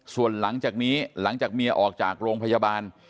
ส่วนหลังจากนี้หลังจากเมียออกจากโรงพยาบาล